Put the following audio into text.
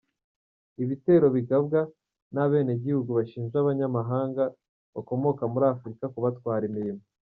Ibi bitero bigabwa n’abenegihugu bashinja abanyamahanga bakomoka muri Afurika kubatwara imirimo.